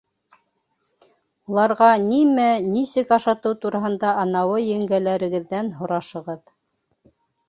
Уларға нимә, нисек ашатыу тураһында анауы еңгәләрегеҙҙән һорашығыҙ.